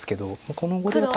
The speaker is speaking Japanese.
この碁では多分。